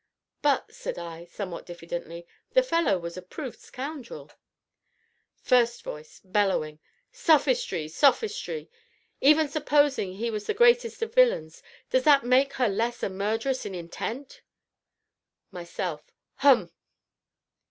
("But," said I, somewhat diffidently, "the fellow was a proved scoundrel!") FIRST VOICE (bellowing). Sophistry! sophistry! even supposing he was the greatest of villains, does that make her less a murderess in intent? MYSELF. Hum!